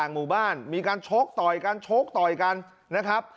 หมู่บ้านมีการโชคต่อยกันโชคต่อยกันนะครับ